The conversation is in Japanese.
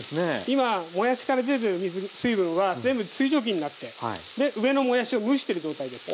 今もやしから出てる水分は全部水蒸気になって上のもやしを蒸してる状態です。